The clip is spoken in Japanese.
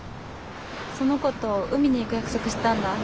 その子と海に行く約束したんだ。